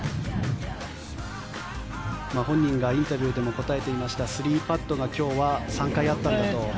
本人がインタビューでも答えていました３パットが今日は３回あったんだと。